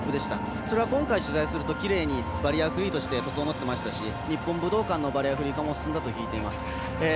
それは今回取材するときれいにバリアフリーとして整ったし日本武道館のバリアフリー化も進んだと聞いています。